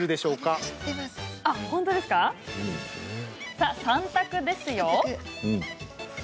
さあ、３択です。